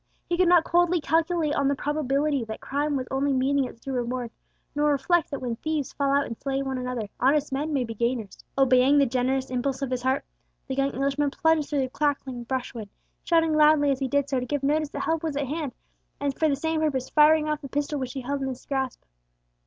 He could not coldly calculate on the probability that crime was only meeting its due reward, nor reflect that when thieves fall out and slay one another, honest men may be gainers. Obeying the generous impulse of his heart, the young Englishman plunged through the crackling brushwood, shouting loudly as he did so to give notice that help was at hand, and for the same purpose firing off the pistol which he held in his grasp.